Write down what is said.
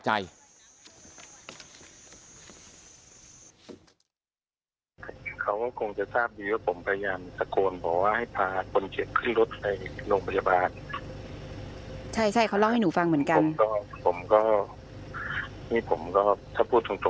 ใช่เขาเล่าให้หนูฟังเหมือนกันผมก็นี่ผมก็ถ้าพูดถูก